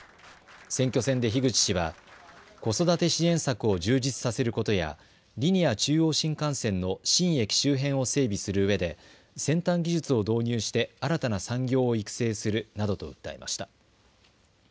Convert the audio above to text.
選挙戦で樋口氏は子育て支援策を充実させることやリニア中央新幹線の新駅周辺を整備するうえで先端技術を導入して新たな産業を育成するなどと訴えました。